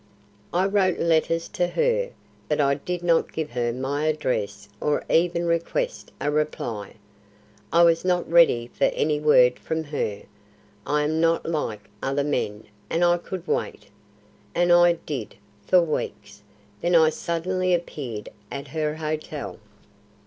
I wrote letters to her, but I did not give her my address or even request a reply. I was not ready for any word from her. I am not like other men and I could wait. And I did, for weeks, then I suddenly appeared at her hotel."